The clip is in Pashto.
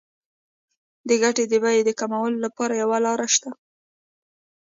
د ګټې د بیې د کموالي لپاره یوه لار شته